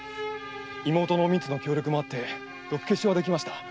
妹のおみつの協力もあって毒消しはできました。